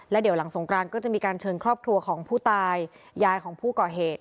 เดี๋ยวหลังสงกรานก็จะมีการเชิญครอบครัวของผู้ตายยายของผู้ก่อเหตุ